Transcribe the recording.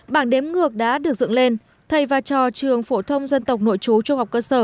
bảng đếm ngược đã được dựng lên thầy và trò trường phổ thông dân tộc nội chú trung học cơ sở